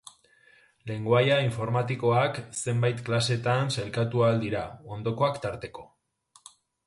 Lengoaia informatikoak zenbait klasetan sailkatu ahal dira, ondokoak tarteko.